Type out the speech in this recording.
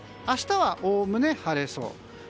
明日はおおむね晴れそう。